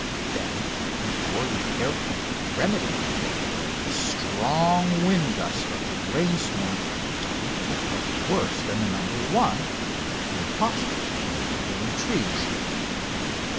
Then before the air pump could remedy the fault, a strong wind gust of the rainstorm doubled it up worse than the "No. 1," and tossed it into the neighbouring trees.